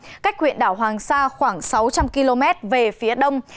cách huyện đảo hoàng sa khoảng sáu trăm linh km về phía đông